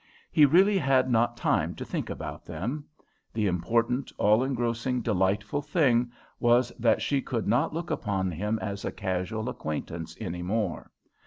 He really had not time to think about them. The important, all engrossing, delightful thing was that she could not look upon him as a casual acquaintance any more.